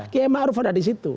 kiai ma'ruf ada disitu